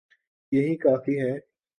یہی کافی ہے۔